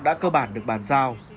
đã cơ bản được bàn giao